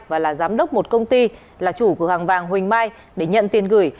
và là giám đốc một công ty là chủ cửa hàng vàng huỳnh mai để nhận tiền gửi